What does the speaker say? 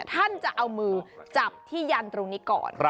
ท่านจะเอามือจับที่ยันตรงนี้ก่อน